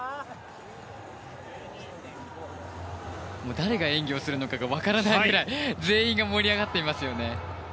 誰が演技をするのかが分からないくらい全員が盛り上がっていますね。